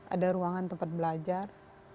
ada ruangan tempat belajar